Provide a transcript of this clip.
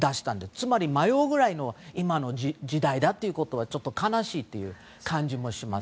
つまり、迷うぐらいの時代だというのがちょっと悲しいという感じがします。